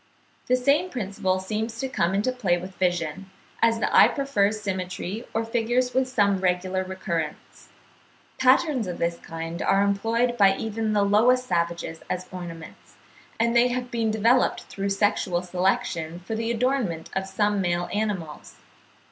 The same principle seems to come into play with vision, as the eye prefers symmetry or figures with some regular recurrence. Patterns of this kind are employed by even the lowest savages as ornaments; and they have been developed through sexual selection for the adornment of some male animals.